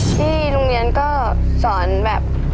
ที่โรงเรียนก็สอนแบบ